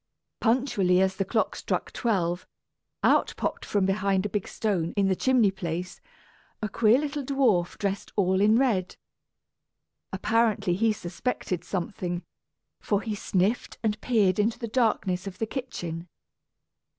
Punctually as the clock struck twelve, out popped from behind a big stone in the chimney place a queer little dwarf dressed all in red. Apparently he suspected something, for he sniffed and peered into the darkness of the kitchen.